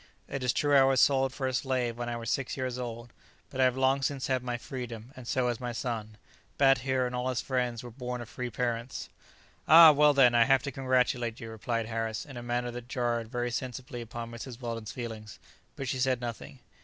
It is true I was sold for a slave when I was six years old; but I have long since had my freedom; and so has my son. Bat here, and all his friends, were born of free parents." "Ah! well then, I have to congratulate you," replied Harris, in a manner that jarred very sensibly upon Mrs. Weldon's feelings; but she said nothing.